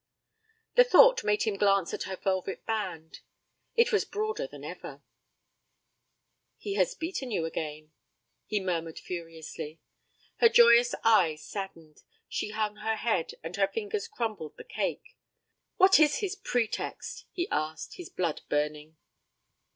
The thought made him glance at her velvet band it was broader than ever. 'He has beaten you again!' he murmured furiously. Her joyous eyes saddened, she hung her head, and her fingers crumbled the cake. 'What is his pretext?' he asked, his blood burning.